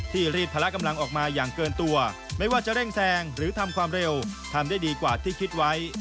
รีดพละกำลังออกมาอย่างเกินตัวไม่ว่าจะเร่งแซงหรือทำความเร็วทำได้ดีกว่าที่คิดไว้